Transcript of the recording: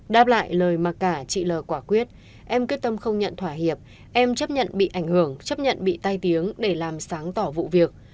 đáp lại lời mà cả chị l quả quyết em quyết tâm không nhận thỏa hiệp em chấp nhận bị ảnh hưởng chấp nhận bị tai tiếng để làm sáng tỏ vụ việc